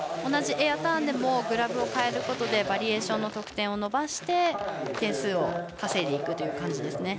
同じエアターンでもグラブを変えることでバリエーションの得点を伸ばして点数を稼ぐ感じです。